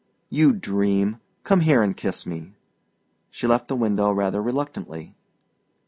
"You dream! Come here and kiss me." She left the window rather reluctantly.